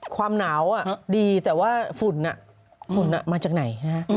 ความหนาวดีแต่ว่าฝุ่นฝุ่นมาจากไหนฮะ